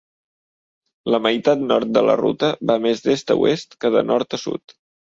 La meitat nord de la ruta va més d'est a oest que de nord a sud.